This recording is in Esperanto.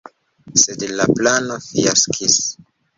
Sed la plano fiaskis.